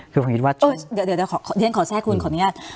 เดี๋ยวเรียงขอแช่คุณขออนุญาต